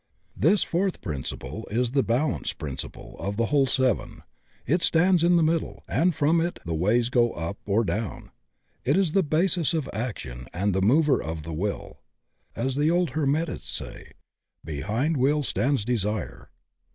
This fourth principle is the balance principle of the whole seven. It stands in the middle, and from it the ways go up or down. It is the basis of action and the mover of the will. As the old Hermetists say: "Behind will stands desire."